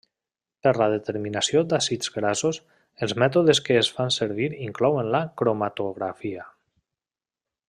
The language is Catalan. Per la determinació d'àcids grassos els mètodes que es fan servir inclouen la cromatografia.